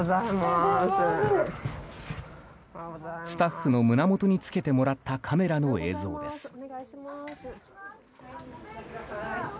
スタッフの胸元につけてもらったカメラの映像です。